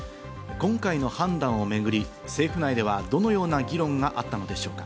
今回の判断をめぐり、政府内ではどのような議論があったのでしょうか？